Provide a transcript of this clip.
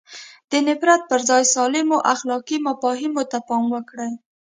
د نفرت پر ځای سالمو اخلاقي مفاهیمو ته پام وکړي.